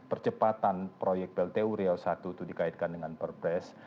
percepatan proyek pltu riau i itu dikaitkan dengan perpres